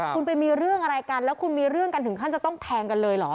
คุณไปมีเรื่องอะไรกันแล้วคุณมีเรื่องกันถึงขั้นจะต้องแทงกันเลยเหรอ